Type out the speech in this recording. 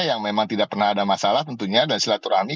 yang memang tidak pernah ada masalah tentunya dan silaturahmi